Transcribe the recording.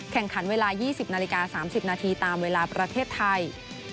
แข่งขันเวลา๒๐นาฬิกา๓๐นาทีตามเวลาประเทศไทย